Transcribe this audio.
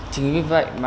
chính vì vậy